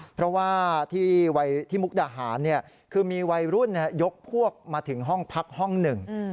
เพราะว่าที่มุกดาหารคือมีวัยรุ่นยกพวกมาถึงห้องพักห้องหนึ่ง